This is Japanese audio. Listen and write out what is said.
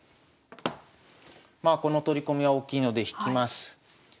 まあこの取り込みは大きいので引きます。